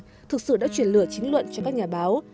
hồng vinh thực sự đã chuyển lửa chính luận cho các nhà báo